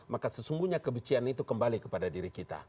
maka sesungguhnya kebencian itu kembali kepada diri kita